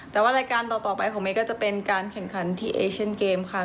แต่ว่ารายการต่อไปของเมย์ก็จะเป็นการแข่งขันที่เอเชียนเกมค่ะ